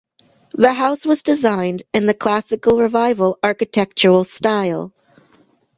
The house was designed in the Classical Revival architectural style.